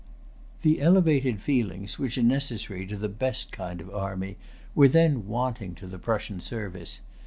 The elevated feelings which are necessary to the best kind of army were then wanting to the Prussian service.